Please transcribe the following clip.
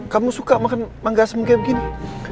kamu suka makan mangga sem kayak begini